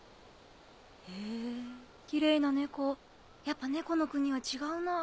へぇきれいな猫やっぱ猫の国は違うなぁ。